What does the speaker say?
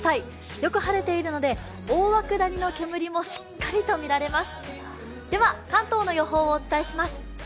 よく晴れているので大涌谷の煙もしっかりと見られます。